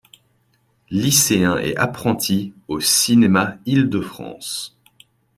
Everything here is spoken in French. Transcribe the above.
Lycéens et apprentis au cinéma Ile-de-France.